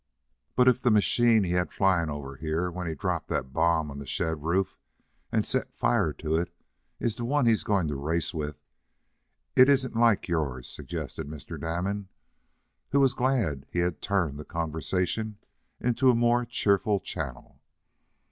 "But if the machine he had flying over here when he dropped that bomb on the shed roof, and set fire to it, is the one he's going to race with, it isn't like yours," suggested Mr. Damon, who was glad he had turned the conversation into a more cheerful channel.